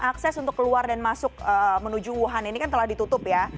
akses untuk keluar dan masuk menuju wuhan ini kan telah ditutup ya